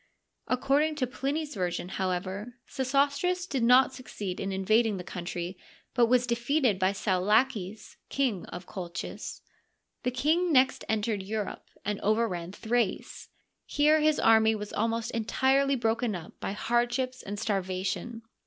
According to Pliny's version, however, Sesostris.did not succeed in invading the country, but was defeated by Saulaces, King of Colchis. The king next entered Europe, and overran Thrace. Here his army was almost entirely broken up by hardships and starvation.